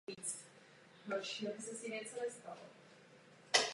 Všechny tyto rody jsou svým rozšířením omezeny na tropickou Ameriku.